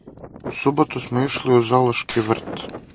У суботу смо ишли у зоолошки врт.